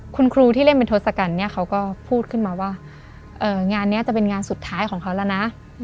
คุณครูที่เล่นเป็นทศกัณฐ์เนี่ยเขาก็พูดขึ้นมาว่างานนี้จะเป็นงานสุดท้ายของเขาแล้วนะ